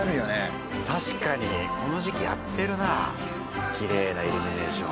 確かにこの時期やってるなきれいなイルミネーション。